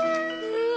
うわ！